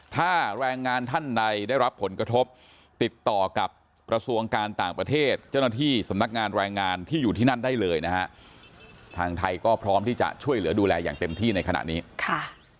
ถ้าแรงงานท่านใดได้รับผลกระทบติดต่อกับกระทรวงการต่างประเทศเจ้าหน้าที่สำนักงานแรงงานที่อยู่ที่นั่นได้เลยนะฮะทางไทยก็พร้อมที่จะช่วยเหลือดูแลอย่างเต็มที่ในขณะนี้ค่ะ